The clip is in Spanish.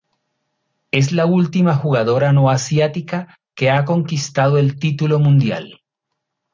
Es la última jugadora no asiática que ha conquistado el título mundial.